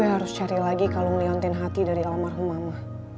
gue harus cari lagi kalung liontin hati dari almarhum mama